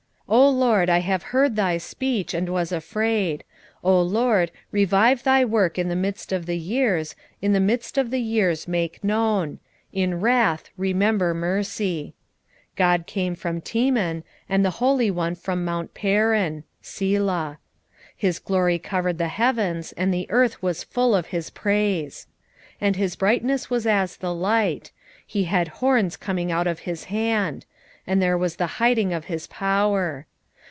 3:2 O LORD, I have heard thy speech, and was afraid: O LORD, revive thy work in the midst of the years, in the midst of the years make known; in wrath remember mercy. 3:3 God came from Teman, and the Holy One from mount Paran. Selah. His glory covered the heavens, and the earth was full of his praise. 3:4 And his brightness was as the light; he had horns coming out of his hand: and there was the hiding of his power.